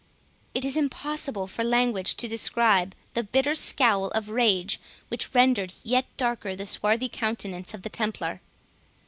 It is impossible for language to describe the bitter scowl of rage which rendered yet darker the swarthy countenance of the Templar.